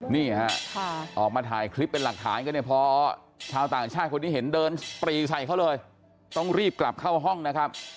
นี่ฮะออกมาถ่ายคลิปเป็นหลักฐานกันเนี่ยพอชาวต่างชาติคนที่เห็นเดินปรีใส่เขาเลยต้องรีบกลับเข้าห้องนะครับ